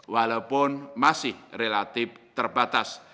walaupun masih relatif terbatas